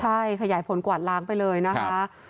ใช่ขยายผลกวาดล้างไปเลยนะคะ